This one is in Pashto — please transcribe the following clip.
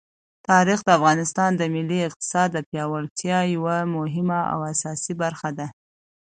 تاریخ د افغانستان د ملي اقتصاد د پیاوړتیا یوه مهمه او اساسي برخه ده.